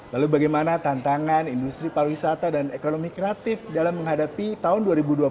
lalu bagaimana tantangan industri pariwisata dan ekonomi kreatif dalam menghadapi tahun dua ribu dua puluh satu